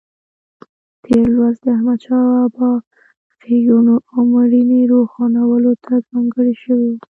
تېر لوست د احمدشاه بابا ښېګڼو او مړینې روښانولو ته ځانګړی شوی و.